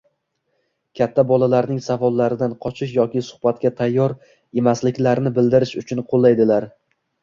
kattalar bolalarning savollaridan qochish yoki suhbatga tayyor emasliklarini bildirish uchun qo‘llaydilar.